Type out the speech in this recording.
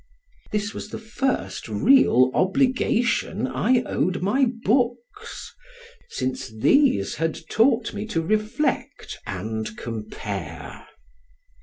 This was the first real obligation I owed my books, since these had taught me to reflect and compare.